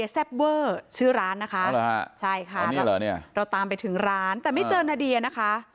แซ่บเวอร์ชื่อร้านนะคะใช่ค่ะเราตามไปถึงร้านแต่ไม่เจอนาเดียนะคะ